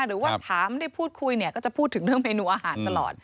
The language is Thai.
หรือว่าถามได้พูดคุยเนี่ยก็จะพูดถึงเรื่องเมนูอาหารตลอด